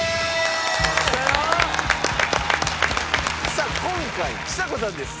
さあ今回ちさ子さんです。